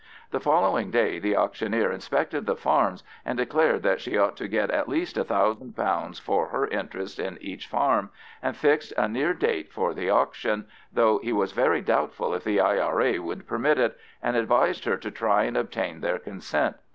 The following day the auctioneer inspected the farms, and declared that she ought to get at least a thousand pounds for her interest in each farm, and fixed a near date for the auction, though he was very doubtful if the I.R.A. would permit it, and advised her to try and obtain their consent.